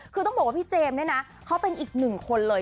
คือต้องบอกว่าพี่เจมส์เนี่ยนะเขาเป็นอีกหนึ่งคนเลย